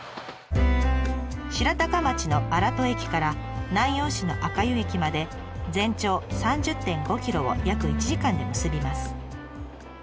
白鷹町の荒砥駅から南陽市の赤湯駅まで全長３０．５ｋｍを約１時間で結びます。